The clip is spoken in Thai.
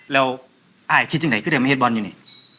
แล้วอายานคิดอย่างไหนก็เดี๋ยวมาเห็ดบ่อนอยู่นี่